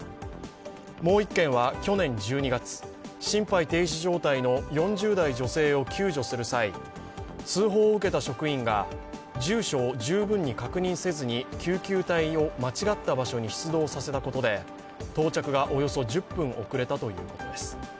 もう１件は去年１２月、心肺停止状態の４０代女性を救助する際、通報を受けた職員が住所を十分に確認せずに救急隊を間違った場所に出動させたことで到着がおよそ１０分遅れたということです。